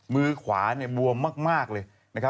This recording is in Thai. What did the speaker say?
มือขวาบวมมากเลย